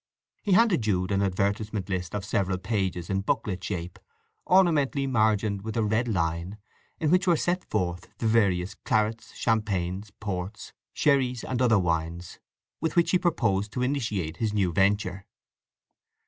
He handed Jude an advertisement list of several pages in booklet shape, ornamentally margined with a red line, in which were set forth the various clarets, champagnes, ports, sherries, and other wines with which he purposed to initiate his new venture.